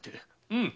うん。